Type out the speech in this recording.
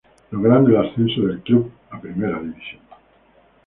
Logrando el ascenso del Club a primera división.